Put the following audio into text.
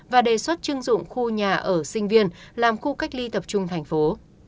và đề xuất chưng dụng khu nhà ở sinh viên làm khu cách ly tập trung thành phố